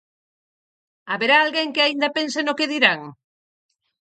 Haberá alguén que aínda pense no "que dirán"?